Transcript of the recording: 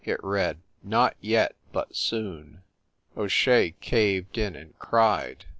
It read, "Not yet, but soon" O Shea caved in, and cried.